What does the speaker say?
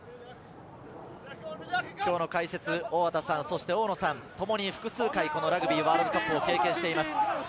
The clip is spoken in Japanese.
今日の解説・大畑さん、そして大野さん、ともに複数回ラグビーワールドカップを経験しています。